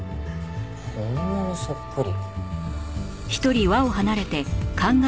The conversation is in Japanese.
「本物そっくり」？